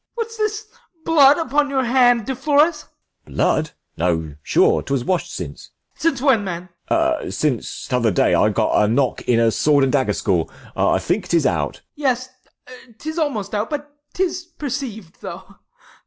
Ah. What's this blood upon your band, De Flores ? 95 De F. Blood ? No, sure, 'twas wash'd since. Ah. Since when, man ? De F. Since t'other day I got a knock In a sword and dagger school; I think 'tis out. Ah. Yes, 'tis almost out, but 'tis perceiv'd, though.